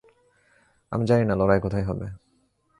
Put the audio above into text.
আমি জানিনা লড়াই কোথায় হবে।